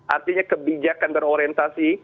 artinya kebijakan berorientasi